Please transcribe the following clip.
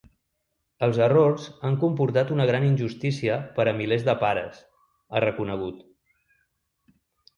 “Els errors han comportat una gran injustícia per a milers de pares”, ha reconegut.